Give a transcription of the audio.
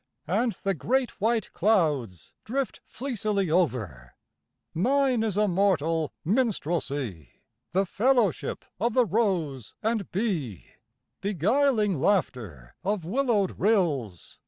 And the great white clouds drift fleecily over. Mine is immortal minstrelsy. The fellowship of the rose and bee, Beguiling laughter of willowed rills.